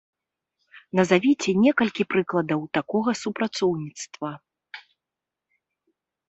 Назавіце некалькі прыкладаў такога супрацоўніцтва.